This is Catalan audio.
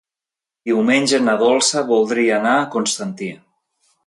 Diumenge na Dolça voldria anar a Constantí.